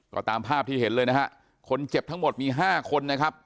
ก็ตามภาพที่เห็นเลยนะฮะคนเจ็บทั้งหมดมีห้าคนนะครับ